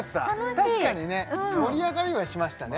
確かにね盛り上がりはしましたね